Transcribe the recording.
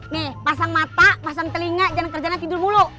nih pasang mata pasang telinga jangan kerjaan tidur bu